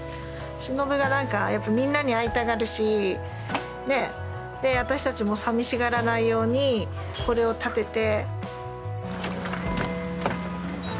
忍がなんかやっぱみんなに会いたがるし私たちもさみしがらないようにこれを建てて。